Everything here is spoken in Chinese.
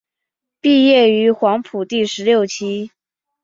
毕业于黄埔第十六期。